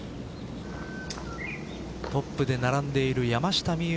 トップで並んでいる山下美夢